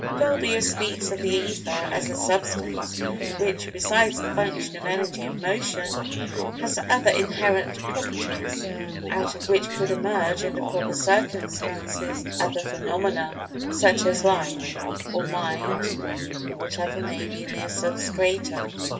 Dolbear speaks of the Ether as a substance, which, besides the function of energy and motion, has other inherent properties "out of which could emerge, under proper circumstances, other phenomena, such as life, or mind or whatever may be in the substratum."